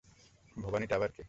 ভবানীটা আবার কে?